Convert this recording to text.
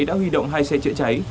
đã huy động hai xe chữa cháy